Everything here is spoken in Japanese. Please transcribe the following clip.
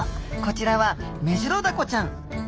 こちらはメジロダコちゃん。